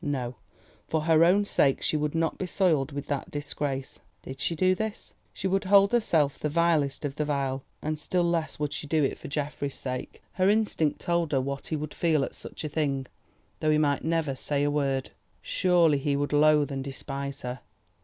No, for her own sake she would not be soiled with that disgrace. Did she do this, she would hold herself the vilest of the vile. And still less would she do it for Geoffrey's sake. Her instinct told her what he would feel at such a thing, though he might never say a word. Surely he would loathe and despise her.